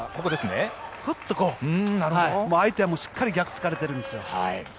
ふっと、相手はしっかり逆を突かれてるんですよ。